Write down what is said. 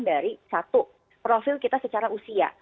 dari satu profil kita secara usia